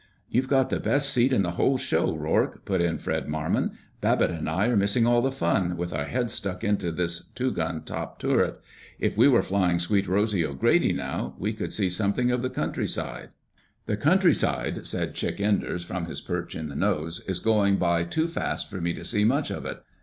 "You've got the best seat in the whole show, Rourke," put in Fred Marmon. "Babbitt and I are missing all the fun, with our heads stuck into this two gun top turret. If we were flying Sweet Rosy O'Grady now, we could see something of the countryside." "The countryside," said Chick Enders from his perch in the nose, "is going by too fast for me to see much of it.